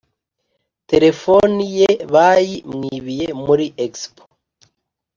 telefoni ye bayi mwibiye muri expo